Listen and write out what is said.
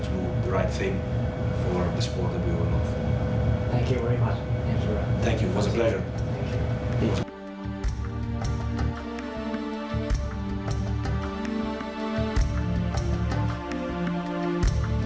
ขอบคุณครับเป็นประโยชน์